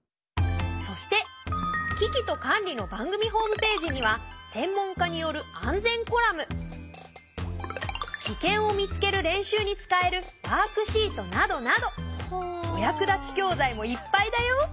そして「キキとカンリ」の番組ホームページにはキケンを見つける練習に使えるワークシートなどなどお役立ち教材もいっぱいだよ。